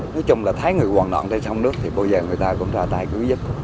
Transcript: nói chung là thấy người hoàn nọn tới sông nước thì bây giờ người ta cũng ra tay cứu giúp